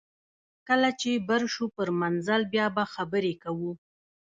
کله چې بر شو پر منزل بیا به خبرې کوو